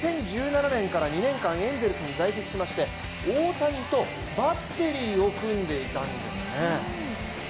２０１７年から２年間エンゼルスに在籍して、大谷とバッテリーを組んでいたんですね。